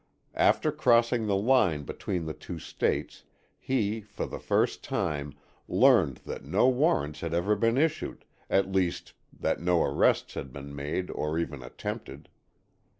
After crossing the line between the two States he, for the first time, learned that no warrants had ever been issued, at least that no arrests had been made or even attempted.